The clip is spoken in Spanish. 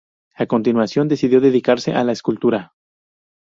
A continuación, decidió dedicarse a la escultura.